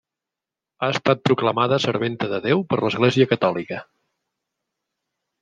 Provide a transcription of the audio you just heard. Ha estat proclamada serventa de Déu per l'Església catòlica.